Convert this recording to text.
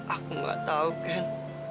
aku gak tau ken